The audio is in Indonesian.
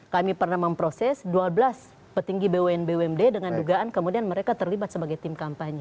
kami pernah memproses dua belas petinggi bumn bumd dengan dugaan kemudian mereka terlibat sebagai tim kampanye